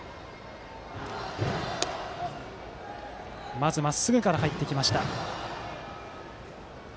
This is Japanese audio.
まずまっすぐから入りました。